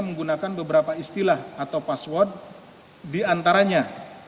menggunakan beberapa istilah atau password diantaranya